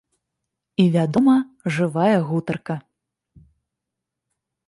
І вядома, жывая гутарка.